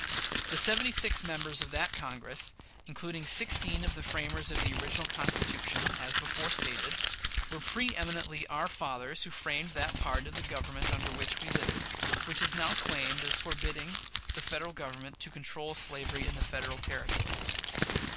The seventy six members of that Congress, including sixteen of the framers of the original Constitution, as before stated, were pre eminently our fathers who framed that part of "the Government under which we live," which is now claimed as forbidding the Federal Government to control slavery in the Federal Territories.